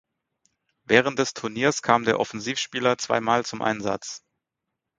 Während des Turniers kam der Offensivspieler zweimal zum Einsatz.